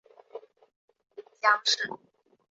母江氏。